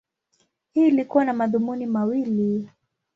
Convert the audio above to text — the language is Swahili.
Hili lilikuwa na madhumuni mawili.